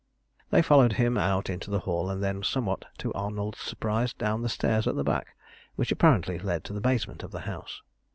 They followed him out into the hall, and then, somewhat to Arnold's surprise, down the stairs at the back, which apparently led to the basement of the house.